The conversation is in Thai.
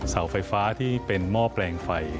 เสาไฟฟ้าที่เป็นหม้อแปลงไฟ